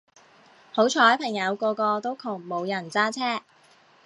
好彩朋友個個都窮冇人揸車